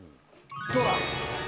どうだ。